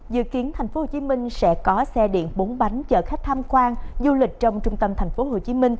dự kiến tp hcm sẽ có xe điện bốn bánh chở khách tham quan du lịch trong trung tâm tp hcm